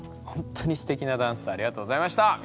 ほんとにすてきなダンスありがとうございました！